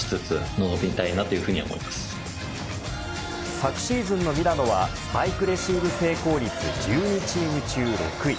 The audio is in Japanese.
昨シーズンのミラノはスパイクレシーブ成功率１２チーム中６位。